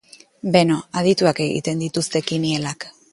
Beno, adituek egiten dituzte kinielak.